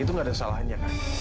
itu nggak ada salahnya kan